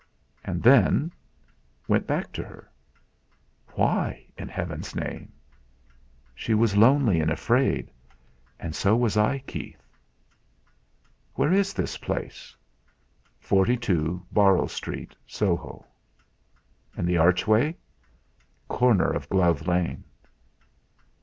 "And then?" "Went back to her." "Why in Heaven's name?" "She was lonely and afraid; so was I, Keith." "Where is this place?" "Forty two, Borrow Street, Soho." "And the archway?" "Corner of Glove Lane."